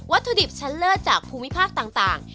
ถุดิบชั้นเลิศจากภูมิภาคต่าง